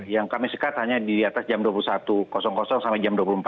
yang kami sekat hanya di atas jam dua puluh satu sampai jam dua puluh empat